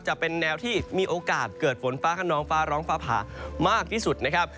จะเป็นแนวที่มีโอกาสเกิดฝนฟ้าขนองฟ้าร้องฟ้าผ่ามากที่สุดนะครับ